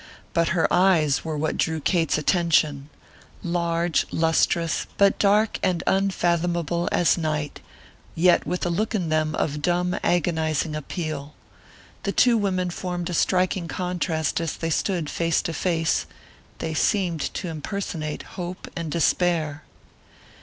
But her eyes were what drew Kate's attention: large, lustrous, but dark and unfathomable as night, yet with a look in them of dumb, agonizing appeal. The two women formed a striking contrast as they stood face to face; they seemed to impersonate Hope and Despair.